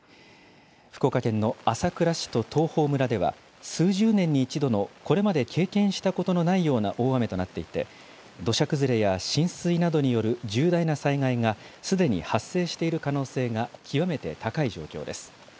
福岡県の朝倉市と東峰村では、数十年に一度のこれまで経験したことのないような大雨となっていて、土砂崩れや浸水などによる重大な災害が、すでに発生している可能性が極めて高い状況です。